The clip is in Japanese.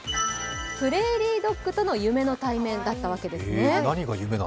プレーリードッグとの夢の対面だったわけですね。